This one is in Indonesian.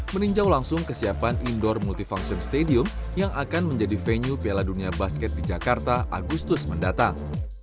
meninjau langsung kesiapan indoor multifunction stadium yang akan menjadi venue piala dunia basket di jakarta agustus mendatang